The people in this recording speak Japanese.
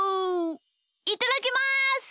いただきます！